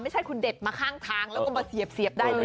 ไม่ใช่คุณเด็ดมาข้างทางแล้วก็มาเสียบได้เลย